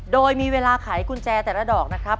โดยมีเวลาไขกุญแจแต่ละดอกนะครับ